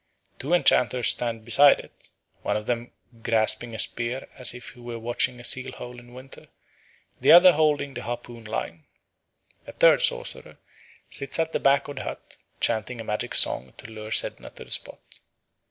Two enchanters stand beside it, one of them grasping a spear as if he were watching a seal hole in winter, the other holding the harpoon line. A third sorcerer sits at the back of the hut chanting a magic song to lure Sedna to the spot.